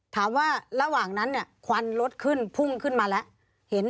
ถามว่าระหว่างนั้นควันลดขึ้นพุ่งขึ้นมาแล้ว